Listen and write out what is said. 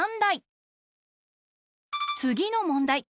つぎのもんだい。